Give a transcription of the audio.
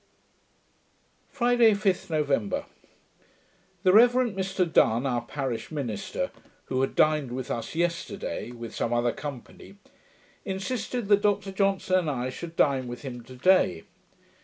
Friday, 5th November The Reverend Mr Dun, our parish minister, who had dined with us yesterday, with some other company, insisted that Dr Johnson and I should dine with him to day.